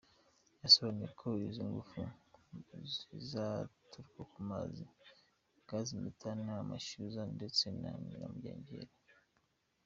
Yasobanuye ko izi ngufu zizaturuka ku mazi, gazi metani, amashyuza ndetse na nyiramugengeri.